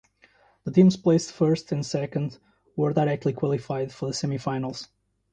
The teams placed first and second were directly qualified for the semi finals.